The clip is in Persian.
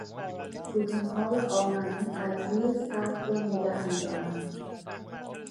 ستونهای آهنی از زیر سقف را نگه میدارند.